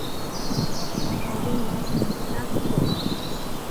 好多年前离家出走了